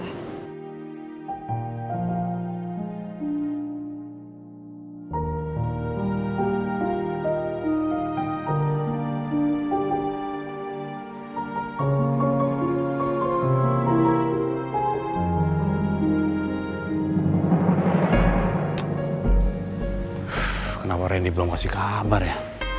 tuhh kenapa reni belum kasih kabar ya